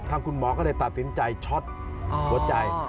คุณหมอก็เลยตัดสินใจช็อตหัวใจ